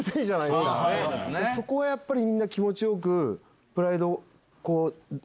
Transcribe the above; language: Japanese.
そこはやっぱりみんな気持ち良く。